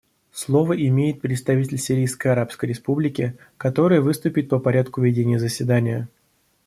Слово имеет представитель Сирийской Арабской Республики, который выступит по порядку ведения заседания.